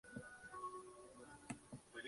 La ópera incluyó nueve arias de otros compositores.